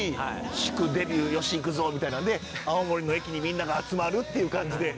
「祝デビュー吉幾三」みたいなんで青森の駅にみんなが集まるっていう感じで。